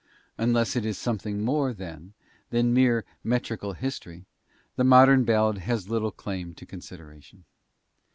Unless it is something more, then, than mere metrical history, the modern ballad has little claim to consideration.